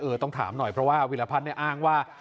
เออต้องถามหน่อยเพราะว่าวิรพัทนี่อ้างว่า